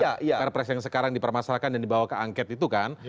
perpres yang sekarang dipermasalahkan dan dibawa ke angket itu kan